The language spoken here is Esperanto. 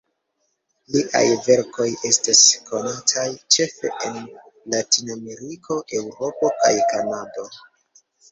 Liaj verkoj estas konataj ĉefe en Latinameriko, Eŭropo kaj Kanado.